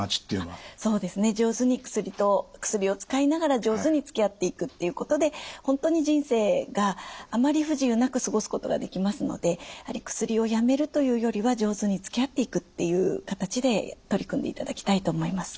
上手に薬と薬を使いながら上手につきあっていくっていうことで本当に人生があまり不自由なく過ごすことができますので薬をやめるというよりは上手につきあっていくっていう形で取り組んでいただきたいと思います。